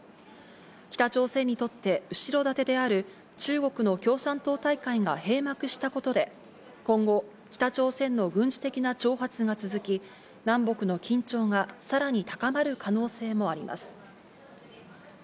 北朝鮮にとって後ろ盾である中国の共産党大会が閉幕したことで、今後、北朝鮮の軍事的な挑発が続き、南北の緊張がさらに高まる可能性もあります。